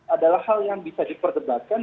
adalah hal yang bisa diperdebatkan